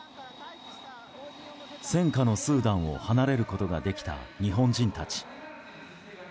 戦禍のスーダンを離れることができた日本人たち。